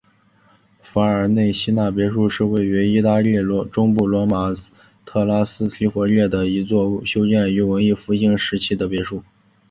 法尔内西纳别墅是位于意大利中部罗马特拉斯提弗列的一座修建于文艺复兴时期的别墅。